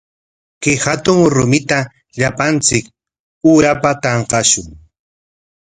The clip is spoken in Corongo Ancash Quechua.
Kay hatun rumita llapanchik urapa tanqashun.